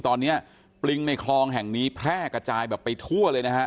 ตอนนี้ปริงในคลองแห่งนี้แพร่กระจายแบบไปทั่วเลยนะฮะ